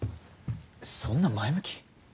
そんな前向き？